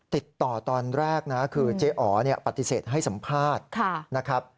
ติดต่อตอนแรกนะคือเจ๊อ๋อปฏิเสธให้สัมภาษณ์นะครับ